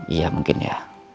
iya mungkin ya